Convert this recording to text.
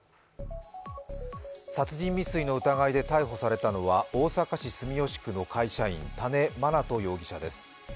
殺人未遂の疑いで逮捕されたのは大阪市住吉区の会社員、多禰茉奈都容疑者です。